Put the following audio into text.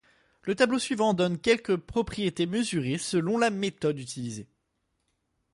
Le tableau suivant donne quelques propriétés mesurées selon la méthode utilisée.